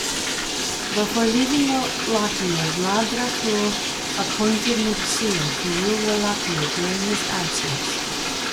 Before leaving Wallachia, Vlad Dracul appointed Mircea to rule Wallachia during his absence.